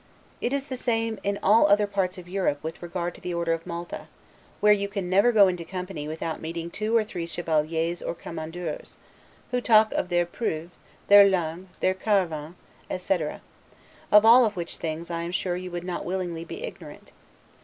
It is the same in all the other parts of Europe with regard to the Order of Malta, where you never go into company without meeting two or three Chevaliers or Commandeurs, who talk of their 'Preuves', their 'Langues', their 'Caravanes', etc., of all which things I am sure you would not willingly be ignorant.